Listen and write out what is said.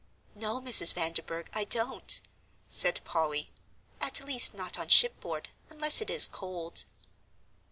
"No, Mrs. Vanderburgh, I don't," said Polly, "at least not on shipboard, unless it is cold."